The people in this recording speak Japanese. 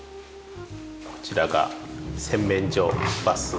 こちらが洗面所バス。